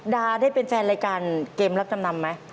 ดาได้เป็นแฟนรายการเกมรับจำนำไหม